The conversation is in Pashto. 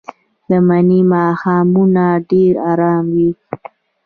د مني ماښامونه ډېر ارام وي